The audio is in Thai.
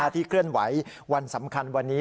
เคลื่อนไหววันสำคัญวันนี้